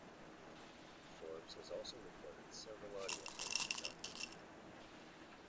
Forbes has also recorded several audio plays of Doctor Who.